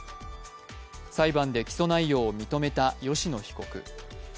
裁判で起訴内容を認めた吉野被告。